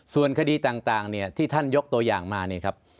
ส่วนคดีต่างเนี่ยที่ท่านยกตัวอย่างมาเนี่ยครับ